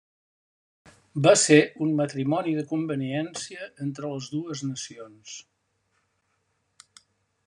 Va ser un matrimoni de conveniència entre les dues nacions.